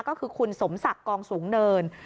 ก็คือคุณสมศักดิ์กองสูงเนิน